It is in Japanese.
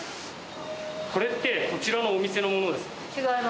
これってこちらのお店のものですか？